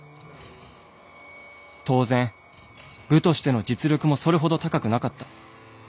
当然部としての実力もそれほど高くなかった。